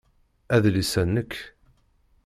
Adlis-a nnek